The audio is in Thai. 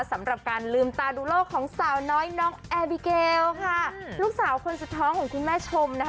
สำหรับการลืมตาดูโลกของสาวน้อยน้องแอร์บิเกลค่ะลูกสาวคนสุดท้องของคุณแม่ชมนะคะ